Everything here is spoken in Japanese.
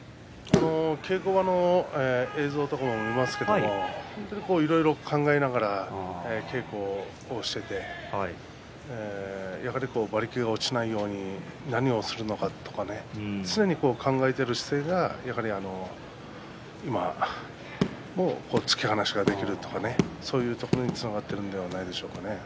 稽古場の映像などもありますがいろいろ考えながら稽古をしていて馬力が落ちないように何をするのか常に考えている姿勢がやはり今も突き放しができるとかねそういうところにつながっているのではないでしょうか。